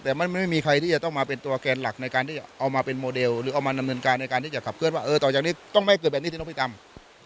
แต่มันไม่มีใครที่จะต้องมาเป็นตัวแกนหลักในการที่จะเอามาเป็นโมเดลหรือเอามาดำเนินการในการที่จะขับเคลื่อนว่าเออต่อจากนี้ต้องไม่ให้เกิดแบบนี้สิน้องพี่ตำ